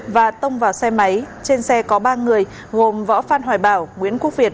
và tông vào xe máy trên xe có ba người gồm võ phan hoài bảo nguyễn quốc việt